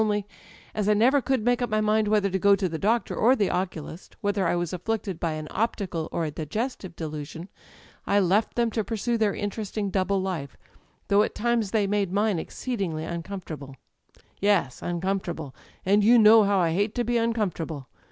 Only, as I never could make up my mind whether to go to the doctor or the oculist â€" whether I was afflicted by an optical or a digestive delusion â€" I left them to pursue their interesting double life, though at times they made mine exceedingly uncomfortable ... "Yes â€" uncomfortable; and you know how I hate to be uncomfortable!